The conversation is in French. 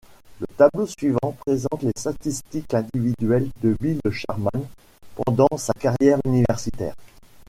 Le tableau suivant présente les statistiques individuelles de Bill Sharman pendant sa carrière universitaire.